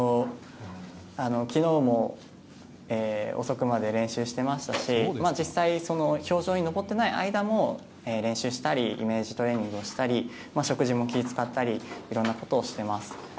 昨日も遅くまで練習してましたし実際、氷上に上っていない間も練習したりイメージトレーニングしたり食事も気を使ったりいろんなことをしています。